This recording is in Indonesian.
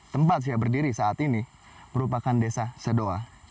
tempat saya berdiri saat ini merupakan desa sedoa